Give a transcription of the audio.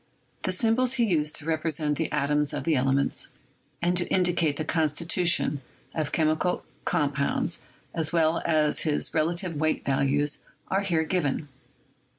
The symbols he used to represent the atoms of the ele ments and to indicate the constitution of chemical com pounds, as well as his relative weight values, are here given.